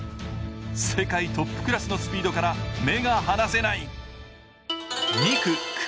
世界トップクラスのスピードから目が離せない。